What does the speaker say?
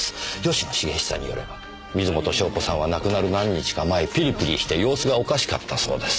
吉野茂久によれば水元湘子さんは亡くなる何日か前ピリピリして様子がおかしかったそうです。